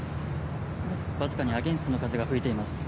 わずかにアゲンストの風が吹いています。